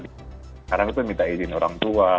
sekarang itu minta izin orang tua